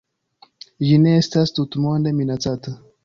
Ĝi ne estas tutmonde minacata.